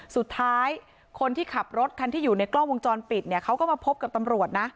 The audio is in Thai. สุดท้ายคนที่ขับรถคันที่อยู่ในกล้องวงจรปิดเนี่ยเขาก็มาพบกับตำรวจนะ